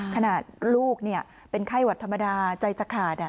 ขนาดลูกเป็นไข้หวัดธรรมดาใจจะขาด